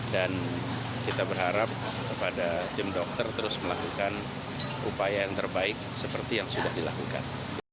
dan kita berharap kepada tim dokter terus melakukan upaya yang terbaik seperti yang sudah dilakukan